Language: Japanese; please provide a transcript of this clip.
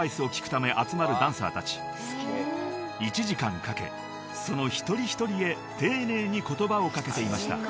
［１時間かけその一人一人へ丁寧に言葉を掛けていました］